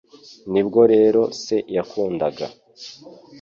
Nibwo rero se yakundaga